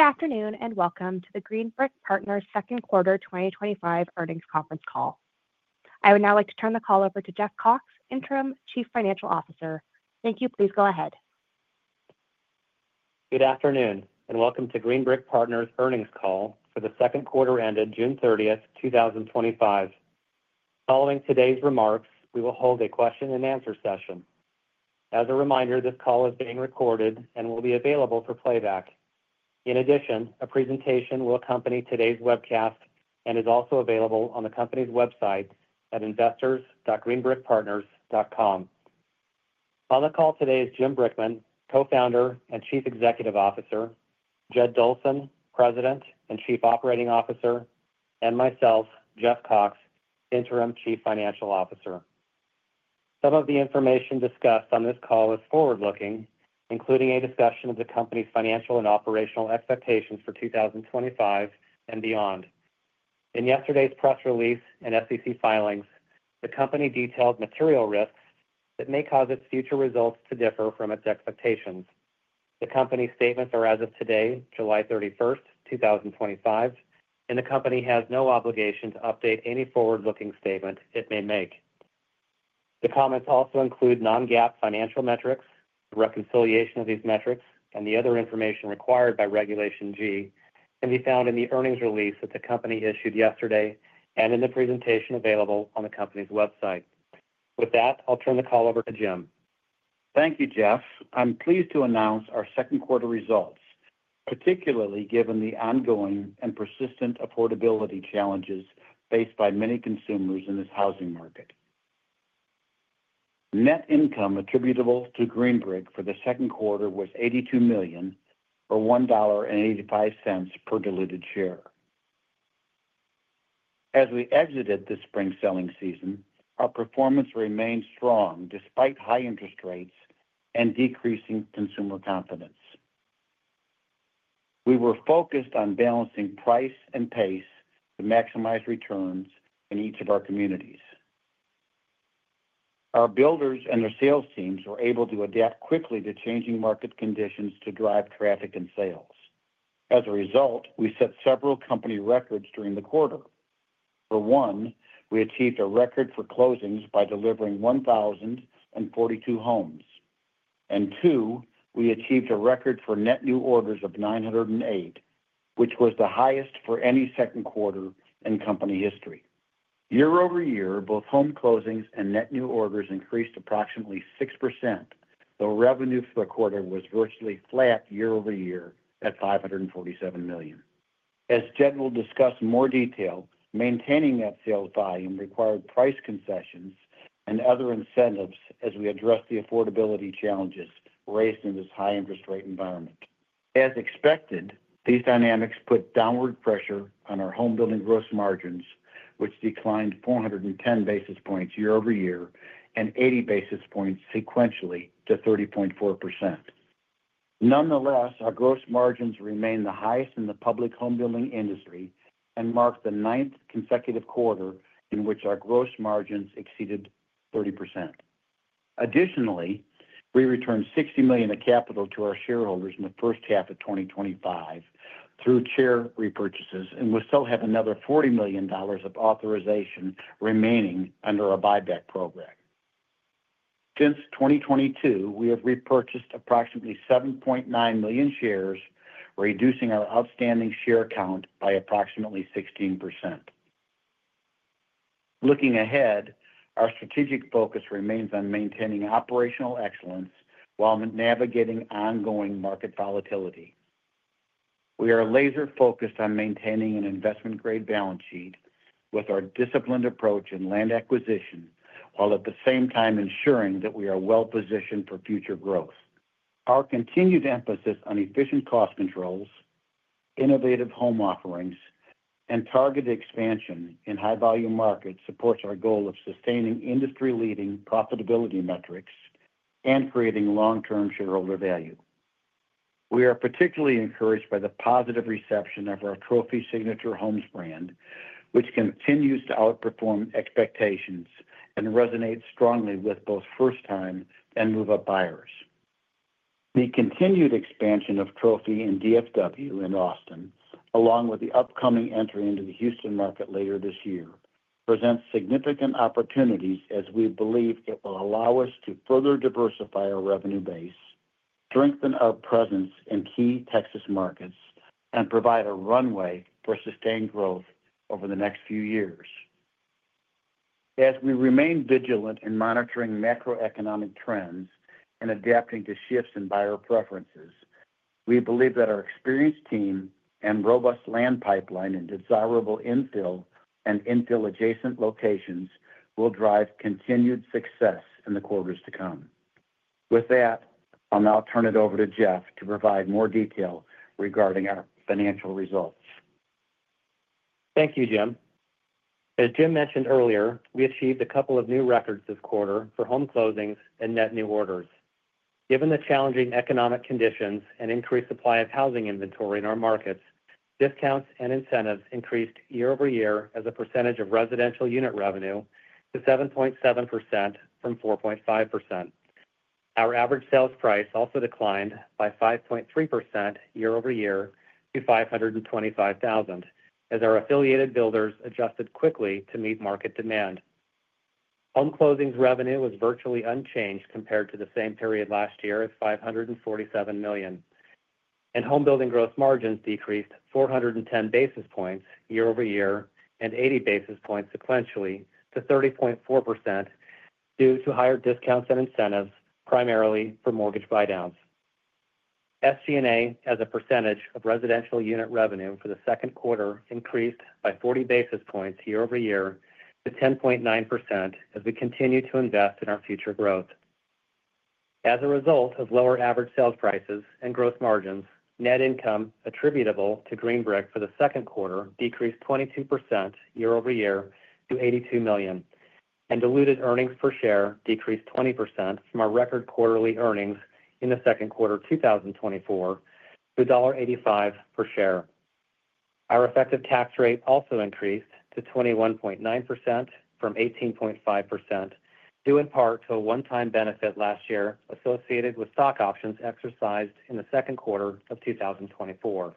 Good afternoon and welcome to the Green Brick Partners second quarter 2025 earnings conference call. I would now like to turn the call over to Jeff Cox, Interim Chief Financial Officer. Thank you. Please go ahead. Good afternoon and welcome to Green Brick Partners' earnings call for the second quarter ended June 30, 2025. Following today's remarks, we will hold a question-and-answer session. As a reminder, this call is being recorded and will be available for playback. In addition, a presentation will accompany today's webcast and is also available on the company's website at investors.greenbrickpartners.com. On the call today is Jim Brickman, Co-Founder and Chief Executive Officer, Jed Dolson, President and Chief Operating Officer, and myself, Jeff Cox, Interim Chief Financial Officer. Some of the information discussed on this call is forward-looking, including a discussion of the company's financial and operational expectations for 2025 and beyond. In yesterday's press release and SEC filings, the company detailed material risks that may cause its future results to differ from its expectations. The company's statements are as of today, July 31, 2025, and the company has no obligation to update any forward-looking statement it may make. The comments also include non-GAAP financial metrics. The reconciliation of these metrics and the other information required by Regulation G can be found in the earnings release that the company issued yesterday and in the presentation available on the company's website. With that, I'll turn the call over to Jim. Thank you, Jeff. I'm pleased to announce our second quarter results, particularly given the ongoing and persistent affordability challenges faced by many consumers in this housing market. Net income attributable to Green Brick Partners for the second quarter was $82 million or $1.85 per diluted share. As we exited the spring selling season, our performance remained strong despite high interest rates and decreasing consumer confidence. We were focused on balancing price and pace to maximize returns in each of our communities. Our builders and their sales teams were able to adapt quickly to changing market conditions to drive traffic and sales. As a result, we set several company records during the quarter. For one, we achieved a record for closings by delivering 1,042 homes. We also achieved a record for net new orders of 908, which was the highest for any second quarter in company history. year-over-year, both home closings and net new orders increased approximately 6%, though revenue for the quarter was virtually flat year-over-year at $547 million. As Jed will discuss in more detail, maintaining that sales volume required price concessions and other incentives as we addressed the affordability challenges raised in this high interest rate environment. As expected, these dynamics put downward pressure on our home building gross margins, which declined 410 basis points year-over-year and 80 basis points sequentially to 30.4%. Nonetheless, our gross margins remain the highest in the public home building industry and marked the ninth consecutive quarter in which our gross margins exceeded 30%. Additionally, we returned $60 million of capital to our shareholders in the first half of 2025 through share repurchases and still have another $40 million of authorization remaining under our buyback program. Since 2022, we have repurchased approximately 7.9 million shares, reducing our outstanding share count by approximately 16%. Looking ahead, our strategic focus remains on maintaining operational excellence while navigating ongoing market volatility. We are laser-focused on maintaining an investment-grade balance sheet with our disciplined approach in land acquisition, while at the same time ensuring that we are well-positioned for future growth. Our continued emphasis on efficient cost controls, innovative home offerings, and targeted expansion in high-volume markets supports our goal of sustaining industry-leading profitability metrics and creating long-term shareholder value. We are particularly encouraged by the positive reception of our Trophy Signature Homes brand, which continues to outperform expectations and resonates strongly with both first-time and move-up buyers. The continued expansion of Trophy in Dallas-Fort Worth and Austin, along with the upcoming entry into the Houston market later this year, presents significant opportunities as we believe it will allow us to further diversify our revenue base, strengthen our presence in key Texas markets, and provide a runway for sustained growth over the next few years. As we remain vigilant in monitoring macroeconomic trends and adapting to shifts in buyer preferences, we believe that our experienced team and robust land pipeline and desirable infill and infill-adjacent locations will drive continued success in the quarters to come. With that, I'll now turn it over to Jeff to provide more detail regarding our financial results. Thank you, Jim. As Jim mentioned earlier, we achieved a couple of new records this quarter for home closings and net new orders. Given the challenging economic conditions and increased supply of housing inventory in our markets, discounts and incentives increased year-over-year as a percentage of residential unit revenue to 7.7% from 4.5%. Our average sales price also declined by 5.3% year-over-year to $525,000 as our affiliated builders adjusted quickly to meet market demand. Home closings revenue was virtually unchanged compared to the same period last year of $547 million, and home building gross margins decreased 410 basis points year-over-year and 80 basis points sequentially to 30.4% due to higher discounts and incentives, primarily for mortgage rate buy-downs. SG&A expenses, as a percentage of residential unit revenue for the second quarter, increased by 40 basis points year-over-year to 10.9% as we continue to invest in our future growth. As a result of lower average sales prices and gross margins, net income attributable to Green Brick Partners for the second quarter decreased 22% year-over-year to $82 million, and diluted earnings per share decreased 20% from our record quarterly earnings in the second quarter of 2024 to $1.85 per share. Our effective tax rate also increased to 21.9% from 18.5%, due in part to a one-time benefit last year associated with stock options exercised in the second quarter of 2024.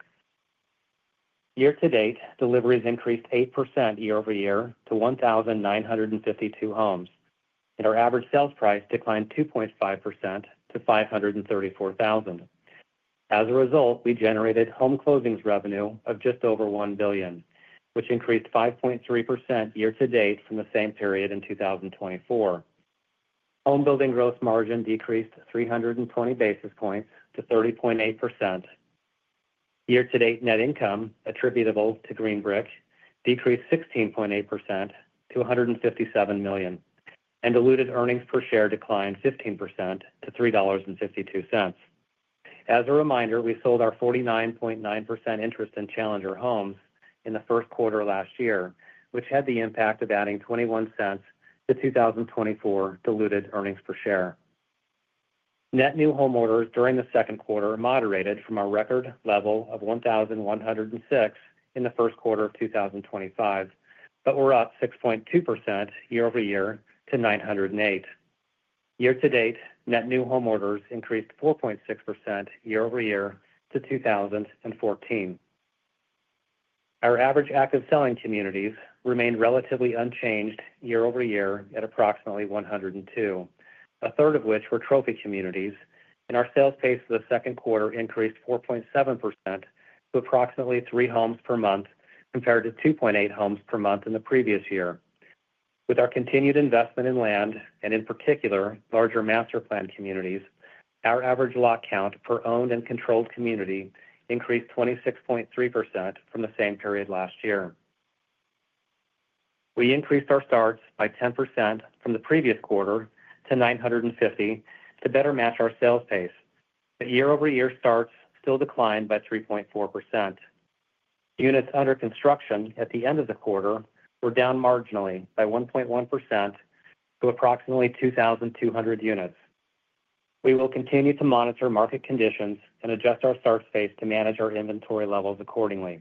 Year to date, deliveries increased 8% year-over-year to 1,952 homes, and our average sales price declined 2.5% to $534,000. As a result, we generated home closings revenue of just over $1 billion, which increased 5.3% year to date from the same period in 2024. Home building gross margin decreased 320 basis points to 30.8%. Year to date net income attributable to Green Brick Partners decreased 16.8% to $157 million, and diluted earnings per share declined 15% to $3.52. As a reminder, we sold our 49.9% interest in Challenger Homes in the first quarter last year, which had the impact of adding $0.21 to 2024 diluted earnings per share. Net new home orders during the second quarter moderated from our record level of 1,106 in the first quarter of 2025, but were up 6.2% year-over-year to 908. Year to date, net new home orders increased 4.6% year-over-year to 2,014. Our average active selling communities remained relatively unchanged year-over-year at approximately 102, a third of which were Trophy communities, and our sales pace for the second quarter increased 4.7% to approximately three homes per month compared to 2.8 homes per month in the previous year. With our continued investment in land and in particular larger master plan communities, our average lot count per owned and controlled community increased 26.3% from the same period last year. We increased our starts by 10% from the previous quarter to $950 to better match our sales pace, but year-over-year starts still declined by 3.4%. Units under construction at the end of the quarter were down marginally by 1.1% to approximately 2,200 units. We will continue to monitor market conditions and adjust our starts pace to manage our inventory levels accordingly.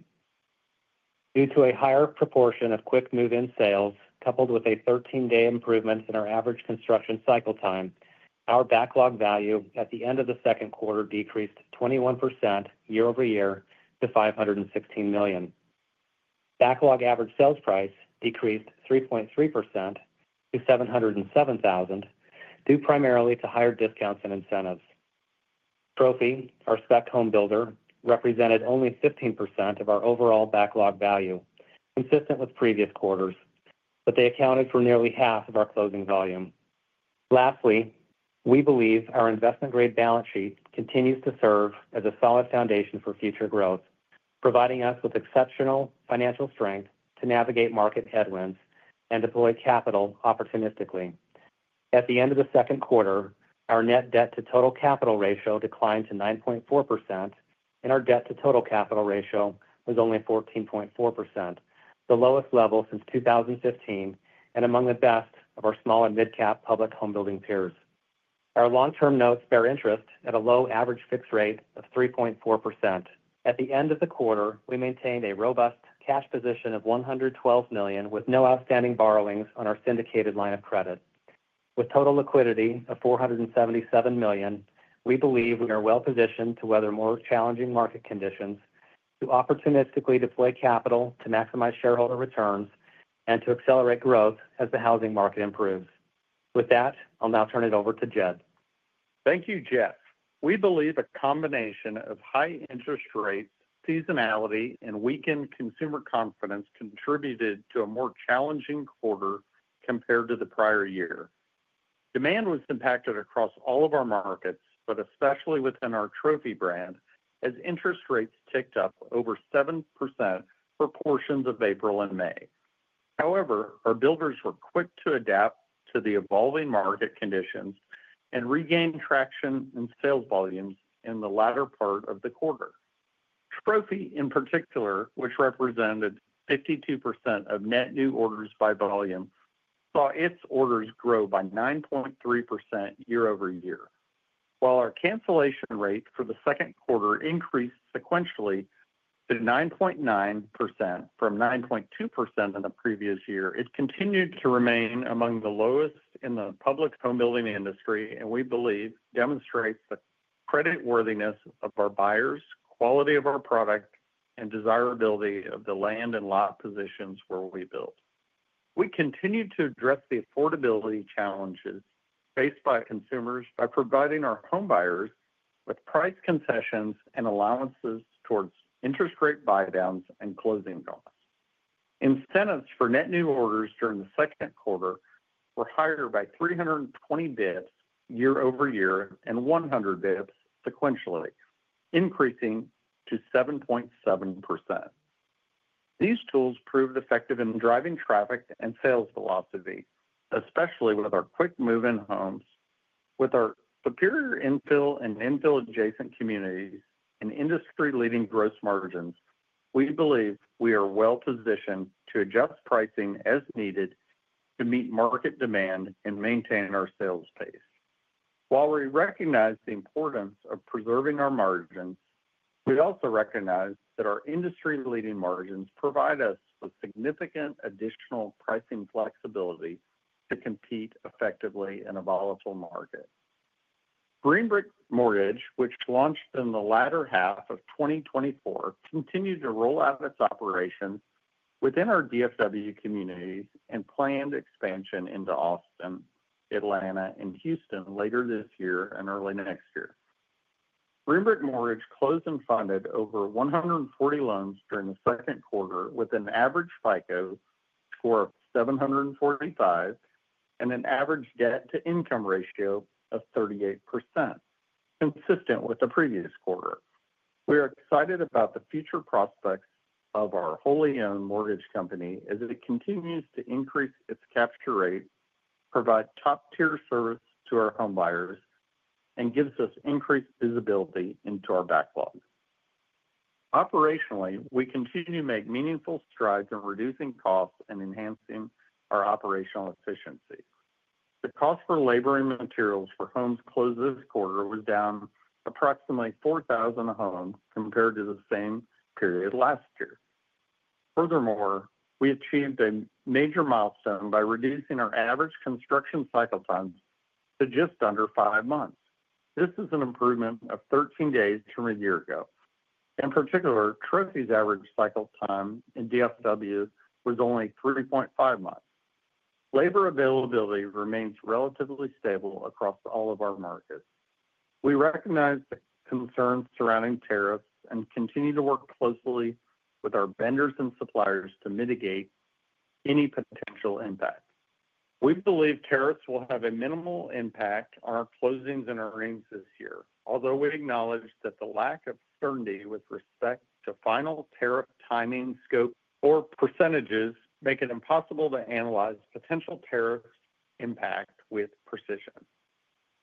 Due to a higher proportion of quick move-in sales coupled with a 13-day improvement in our average construction cycle time, our backlog value at the end of the second quarter decreased 21% year-over-year to $516 million. Backlog average sales price decreased 3.3% to $707,000, due primarily to higher discounts and incentives. Trophy, our spec home builder, represented only 15% of our overall backlog value, consistent with previous quarters, but they accounted for nearly half of our closing volume. Lastly, we believe our investment-grade balance sheet continues to serve as a solid foundation for future growth, providing us with exceptional financial strength to navigate market headwinds and deploy capital opportunistically. At the end of the second quarter, our net debt-to-total capital ratio declined to 9.4%, and our debt-to-total capital ratio was only 14.4%, the lowest level since 2015 and among the best of our small and mid-cap public home building peers. Our long-term notes bear interest at a low average fixed rate of 3.4%. At the end of the quarter, we maintained a robust cash position of $112 million with no outstanding borrowings on our syndicated line of credit. With total liquidity of $477 million, we believe we are well-positioned to weather more challenging market conditions, to opportunistically deploy capital to maximize shareholder returns, and to accelerate growth as the housing market improves. With that, I'll now turn it over to Jed. Thank you, Jeff. We believe a combination of high interest rates, seasonality, and weakened consumer confidence contributed to a more challenging quarter compared to the prior year. Demand was impacted across all of our markets, especially within our Trophy Signature Homes brand as interest rates ticked up over 7% for portions of April and May. However, our builders were quick to adapt to the evolving market conditions and regained traction in sales volumes in the latter part of the quarter. Trophy Signature Homes in particular, which represented 52% of net new orders by volume, saw its orders grow by 9.3% year-over-year. While our cancellation rate for the second quarter increased sequentially to 9.9% from 9.2% in the previous year, it continued to remain among the lowest in the public home building industry, and we believe demonstrates the creditworthiness of our buyers, quality of our product, and desirability of the land and lot positions where we built. We continue to address the affordability challenges faced by consumers by providing our home buyers with price concessions and allowances towards mortgage rate buy-downs and closing costs. Incentives for net new orders during the second quarter were higher by 320 basis points year-over-year and 100 basis points sequentially, increasing to 7.7%. These tools proved effective in driving traffic and sales velocity, especially with our quick move-in homes. With our superior infill and infill adjacent communities and industry-leading gross margins, we believe we are well-positioned to adjust pricing as needed to meet market demand and maintain our sales pace. While we recognize the importance of preserving our margins, we also recognize that our industry-leading margins provide us with significant additional pricing flexibility to compete effectively in a volatile market. Green Brick Mortgage, which launched in the latter half of 2024, continued to roll out its operations within our Dallas-Fort Worth communities and planned expansion into Austin, Atlanta, and Houston later this year and early next year. Green Brick Mortgage closed and funded over 140 loans during the second quarter with an average FICO score of 745 and an average debt-to-income ratio of 38%, consistent with the previous quarter. We are excited about the future prospects of our wholly-owned mortgage company as it continues to increase its capture rate, provide top-tier service to our home buyers, and gives us increased visibility into our backlog. Operationally, we continue to make meaningful strides in reducing costs and enhancing our operational efficiency. The cost for labor and materials for homes closed this quarter was down approximately 4,000 homes compared to the same period last year. Furthermore, we achieved a major milestone by reducing our average construction cycle times to just under five months. This is an improvement of 13 days from a year ago. In particular, Trophy's average cycle time in Dallas-Fort Worth was only 3.5 months. Labor availability remains relatively stable across all of our markets. We recognize the concerns surrounding tariffs and continue to work closely with our vendors and suppliers to mitigate any potential impact. We believe tariffs will have a minimal impact on our closings and earnings this year, although we acknowledge that the lack of certainty with respect to final tariff timing, scopes, or percentages makes it impossible to analyze potential tariff impact with precision.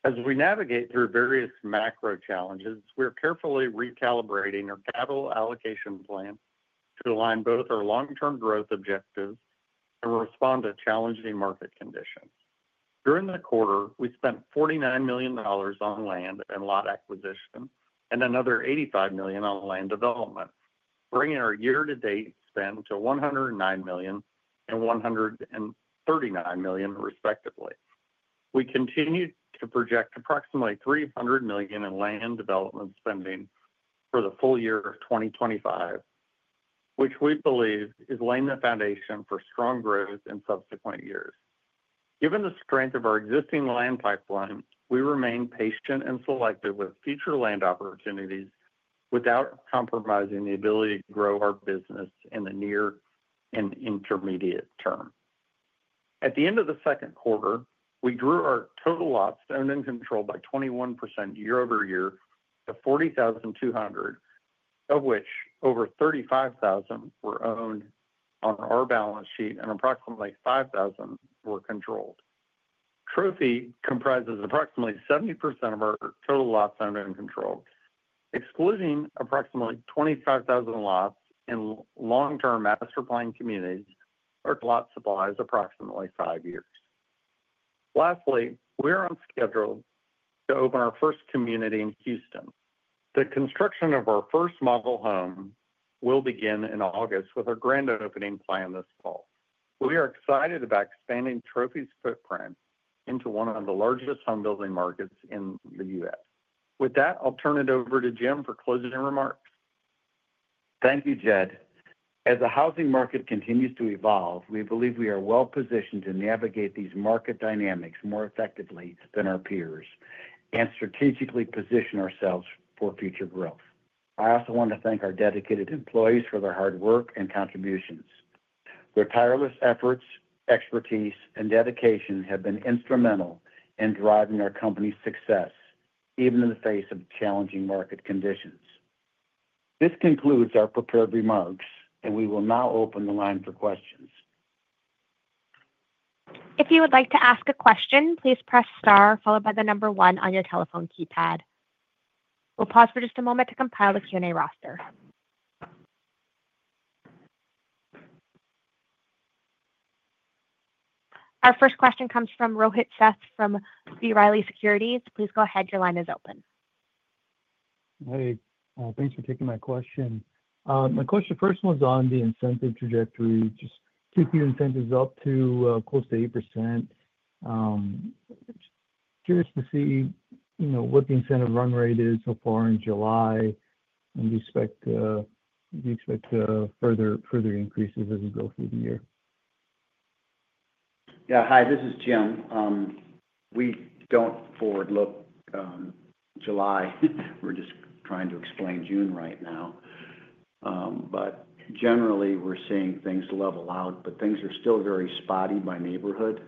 As we navigate through various macro challenges, we are carefully recalibrating our capital allocation plan to align both our long-term growth objectives and respond to challenging market conditions. During the quarter, we spent $49 million on land and lot acquisition and another $85 million on land development, bringing our year-to-date spend to $109 million and $139 million, respectively. We continue to project approximately $300 million in land development spending for the full year of 2025, which we believe is laying the foundation for strong growth in subsequent years. Given the strength of our existing land pipeline, we remain patient and selective with future land opportunities without compromising the ability to grow our business in the near and intermediate term. At the end of the second quarter, we grew our total lots owned and controlled by 21% year-over-year to 40,200, of which over 35,000 were owned on our balance sheet and approximately 5,000 were controlled. Trophy comprises approximately 70% of our total lots owned and controlled, excluding approximately 25,000 lots in long-term master plan communities. Our lot supply is approximately five years. Lastly, we are on schedule to open our first community in Houston. The construction of our first model home will begin in August with our grand opening planned this fall. We are excited about expanding Trophy's footprint into one of the largest home building markets in the U.S. With that, I'll turn it over to Jim for closing remarks. Thank you, Jed. As the housing market continues to evolve, we believe we are well-positioned to navigate these market dynamics more effectively than our peers and strategically position ourselves for future growth. I also want to thank our dedicated employees for their hard work and contributions. Their tireless efforts, expertise, and dedication have been instrumental in driving our company's success, even in the face of challenging market conditions. This concludes our prepared remarks, and we will now open the line for questions. If you would like to ask a question, please press star followed by the number one on your telephone keypad. We'll pause for just a moment to compile the Q&A roster. Our first question comes from Rohit Seth from B. Riley Securities. Please go ahead. Your line is open. Hey, thanks for taking my question. My question first was on the incentive trajectory. Just keep your incentives up to close to 8%. I'm curious to see what the incentive run rate is so far in July, and do you expect further increases as we go through the year? Yeah. Hi, this is Jim. We don't forward look July. We're just trying to explain June right now. Generally, we're seeing things level out, but things are still very spotty by neighborhood.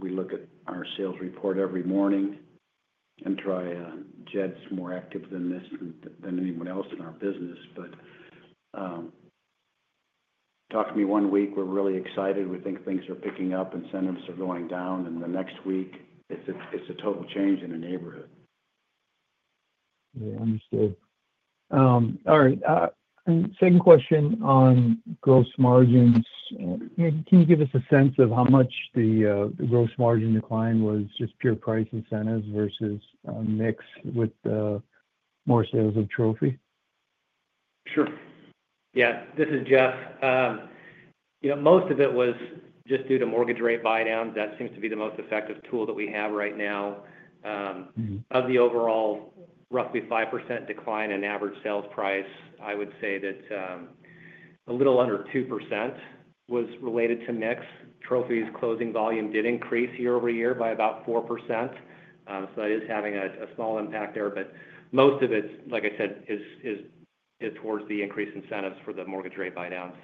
We look at our sales report every morning and try. Jed's more active in this than anyone else in our business. Talk to me one week, we're really excited. We think things are picking up, incentives are going down. The next week, it's a total change in a neighborhood. Understood. All right. Second question on gross margins. Can you give us a sense of how much the gross margin decline was, just pure price incentives versus a mix with the more sales of Trophy Signature Homes? Sure. Yeah. This is Jeff. Most of it was just due to mortgage rate buy-downs. That seems to be the most effective tool that we have right now. Of the overall roughly 5% decline in average sales price, I would say that a little under 2% was related to mix. Trophy's closing volume did increase year-over-year by about 4%. That is having a small impact there. Most of it, like I said, is towards the increased incentives for the mortgage rate buy-downs.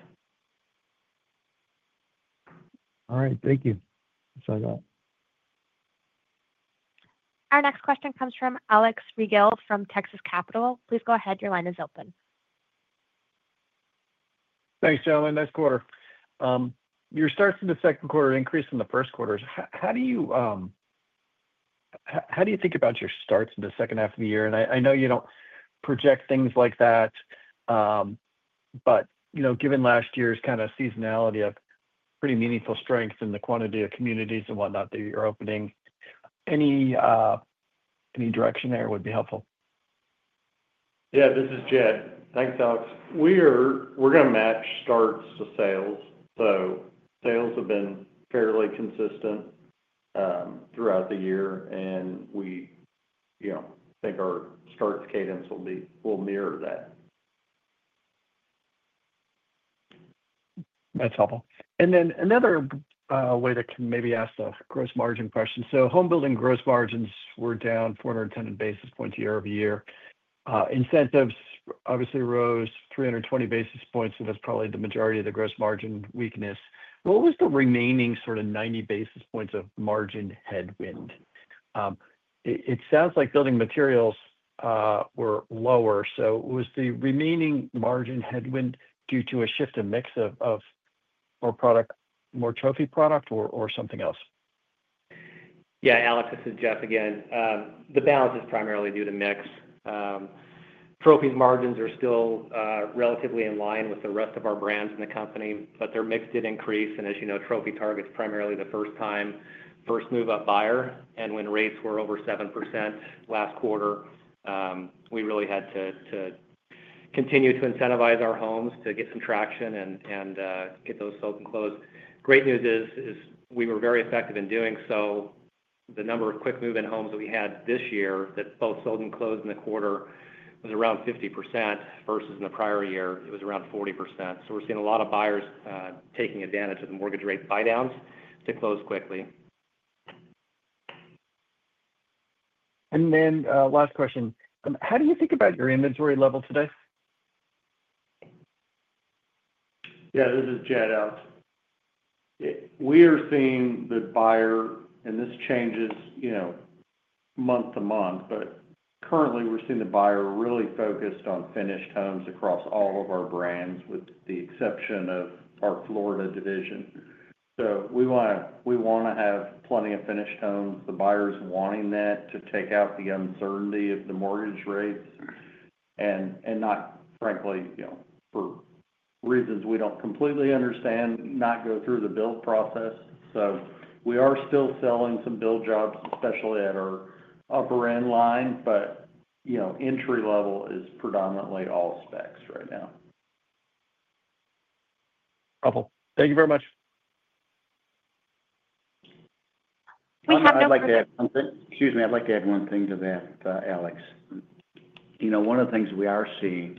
All right. Thank you. Sorry about that. Our next question comes from Alex Rygiel from Texas Capital. Please go ahead. Your line is open. Thanks, gentlemen. Nice quarter. Your starts in the second quarter increased in the first quarter. How do you think about your starts in the second half of the year? I know you don't project things like that, but given last year's kind of seasonality of pretty meaningful strength and the quantity of communities and whatnot that you're opening, any direction there would be helpful. Yeah. This is Jed. Thanks, Alex. We're going to match starts to sales. Sales have been fairly consistent throughout the year, and we think our starts cadence will mirror that. That's helpful. Another way to maybe ask the gross margin question: home building gross margins were down 410 basis points year-over-year. Incentives obviously rose 320 basis points, so that's probably the majority of the gross margin weakness. What was the remaining sort of 90 basis points of margin headwind? It sounds like building materials were lower. Was the remaining margin headwind due to a shift in mix of more Trophy Signature Homes product or something else? Yeah, Alex. This is Jeff again. The balance is primarily due to mix. Trophy's margins are still relatively in line with the rest of our brands in the company, but their mix did increase. As you know, Trophy targets primarily the first-time, first move-up buyer. When rates were over 7% last quarter, we really had to continue to incentivize our homes to get some traction and get those sold and closed. The great news is we were very effective in doing so. The number of quick move-in homes that we had this year that both sold and closed in the quarter was around 50% versus in the prior year, it was around 40%. We are seeing a lot of buyers taking advantage of the mortgage rate buy-downs to close quickly. How do you think about your inventory level today? Yeah. This is Jed, Alex. We are seeing the buyer, and this changes month to month, but currently, we're seeing the buyer really focused on finished homes across all of our brands with the exception of our Florida division. We want to have plenty of finished homes. The buyer is wanting that to take out the uncertainty of the mortgage rates and not, frankly, you know, for reasons we don't completely understand, not go through the build process. We are still selling some build jobs, especially at our upper-end line, but you know, entry level is predominantly all specs right now. Helpful. Thank you very much. I'd like to add one thing to that, Alex. You know, one of the things we are seeing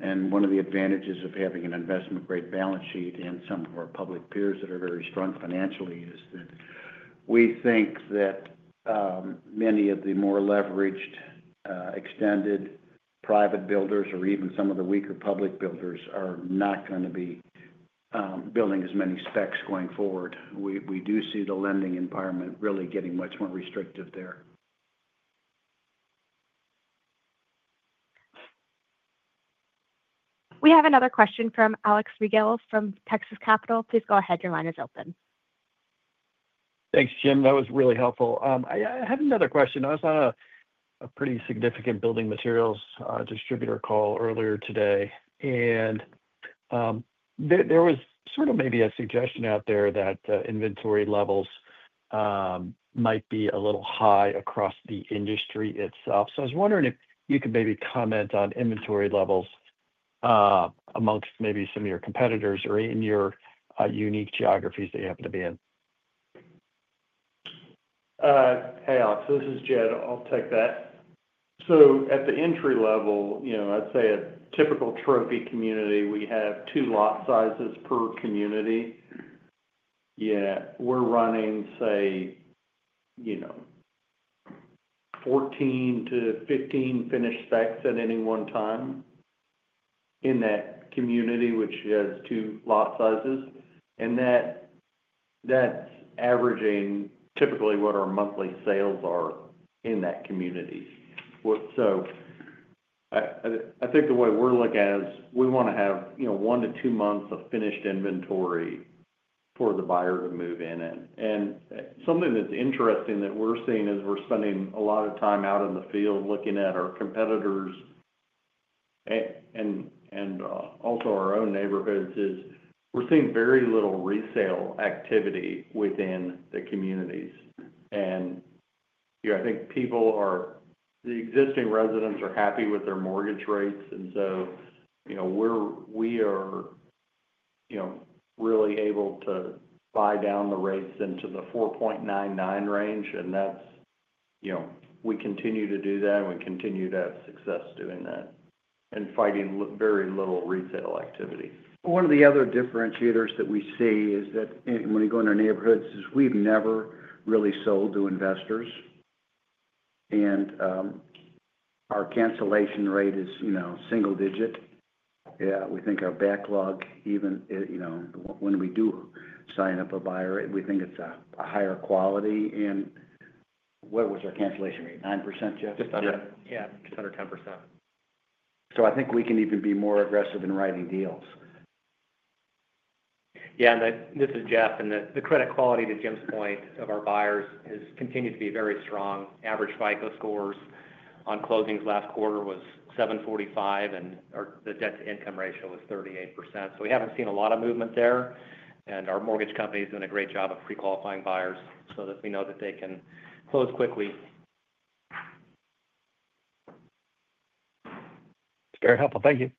and one of the advantages of having an investment-grade balance sheet and some of our public peers that are very strong financially is that we think that many of the more leveraged, extended private builders or even some of the weaker public builders are not going to be building as many specs going forward. We do see the lending environment really getting much more restrictive there. We have another question from Alex Rygiel from Texas Capital. Please go ahead. Your line is open. Thanks, Jim. That was really helpful. I had another question. I was on a pretty significant building materials distributor call earlier today, and there was maybe a suggestion out there that inventory levels might be a little high across the industry itself. I was wondering if you could maybe comment on inventory levels amongst maybe some of your competitors or in your unique geographies that you happen to be in. Hey, Alex. This is Jed. I'll take that. At the entry level, I'd say a typical Trophy Signature Homes community, we have two lot sizes per community. We're running, say, 14-15 finished specs at any one time in that community, which has two lot sizes. That's averaging typically what our monthly sales are in that community. The way we're looking at it is we want to have one to two months of finished inventory for the buyer to move in. Something that's interesting that we're seeing is we're spending a lot of time out in the field looking at our competitors and also our own neighborhoods. We're seeing very little resale activity within the communities. I think people are, the existing residents are happy with their mortgage rates. We're really able to buy down the rates into the 4.99% range. We continue to do that, and we continue to have success doing that and finding very little resale activity. One of the other differentiators that we see is that when we go into neighborhoods, we've never really sold to investors. Our cancellation rate is single-digit. We think our backlog, even when we do sign up a buyer, we think it's a higher quality. What was our cancellation rate? 9%, Jeff? Just under 10%. I think we can even be more aggressive in writing deals. Yeah. This is Jeff. The credit quality, to Jim's point, of our buyers has continued to be very strong. Average FICO scores on closings last quarter was 745, and the debt-to-income ratio was 38%. We haven't seen a lot of movement there. Our mortgage company's done a great job of pre-qualifying buyers so that we know that they can close quickly. It's very helpful. Thank you.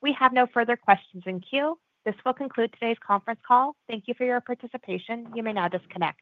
We have no further questions in queue. This will conclude today's conference call. Thank you for your participation. You may now disconnect.